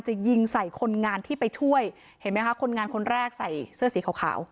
ยิงใส่คนงานที่ไปช่วยเห็นไหมคะคนงานคนแรกใส่เสื้อสีขาว